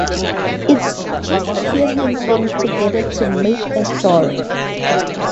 It's just piecing things together to make a story.